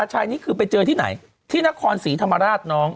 ชายนี้คือไปเจอที่ไหนที่นครศรีธรรมราชน้อง